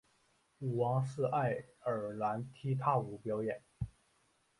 舞王是爱尔兰踢踏舞表演。